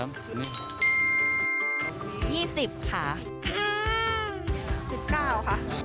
ว้าว